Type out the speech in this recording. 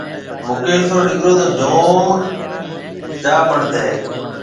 مڪيش رو ڏِيڪرو تو جوم جامڙد هيَ۔